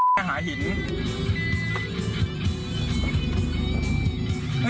ทั้งเมืองหาหิน